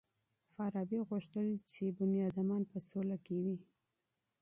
فارابي غوښتل چی انسانان په سوله کي وي.